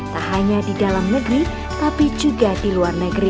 tak hanya di dalam negeri tapi juga di luar negeri